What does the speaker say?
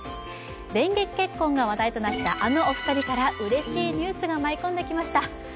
電撃結婚が話題となったあのお二人から、うれしいニュースが舞い込んできました。